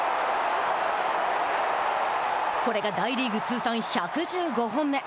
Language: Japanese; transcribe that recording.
これが大リーグ通算１１５本目。